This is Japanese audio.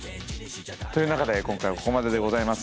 という中で今回はここまででございます。